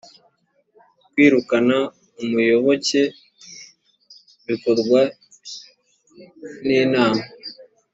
kwirukana umuyoboke bikorwa n inama